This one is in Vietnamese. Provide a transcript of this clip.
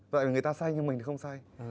vậy là người ta say như mình thì không say